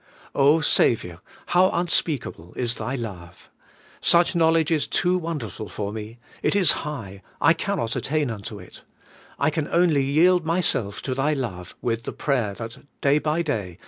Saviour, how unspeakable is Thy love! *Such AS THE BRANCH IN THE VINE. 41 knowledge is too wonderful for me: it is high, I can not attain unto it. ' I can only yield myself to Thy love with the prayer that, day by day.